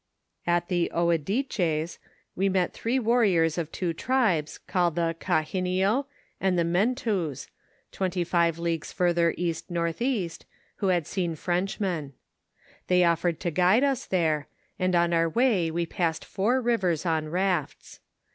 At the Ouidi ches, we met three warriors of two tribes called the Gahinnio and the Mentous, twenty five leagues further east northeast, who had seen Frenchmen. They offered to guide us there, and on our way we passed four rivers on rafts.